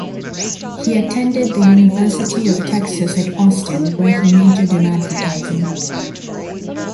He attended the University of Texas at Austin where he majored in advertising.